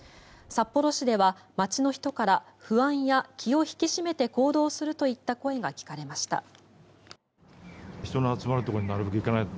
札幌市では、街の人から不安や、気を引き締めて行動するといった声が聞かれました。